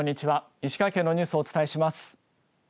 石川県のニュースをお伝えします。